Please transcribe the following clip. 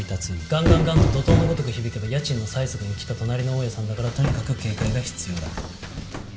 ガンガンガンと怒涛のごとく響けば家賃の催促に来た隣の大家さんだからとにかく警戒が必要だ。